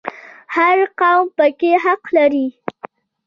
هر قوم پکې حق لري